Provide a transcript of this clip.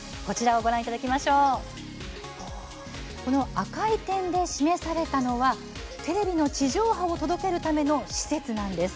赤い点で示されているのはテレビの地上波を届けるための施設なんです。